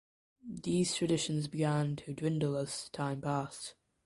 These traditions began to dwindle as time passed.